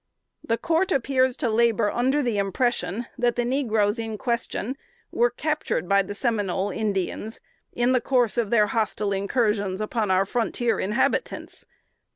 "The court appears to labor under the impression, that the negroes in question were captured by the Seminole Indians, in the course of their hostile incursions upon our frontier inhabitants.